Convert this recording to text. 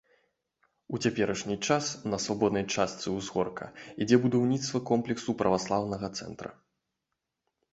У цяперашні час на свабоднай частцы ўзгорка ідзе будаўніцтва комплексу праваслаўнага цэнтра.